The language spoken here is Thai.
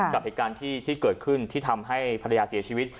กับเหตุการณ์ที่เกิดขึ้นที่ทำให้ภรรยาเสียชีวิต